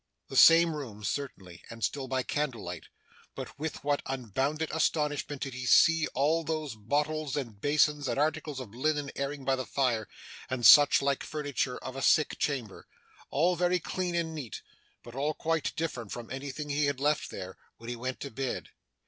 The same room certainly, and still by candlelight; but with what unbounded astonishment did he see all those bottles, and basins, and articles of linen airing by the fire, and such like furniture of a sick chamber all very clean and neat, but all quite different from anything he had left there, when he went to bed!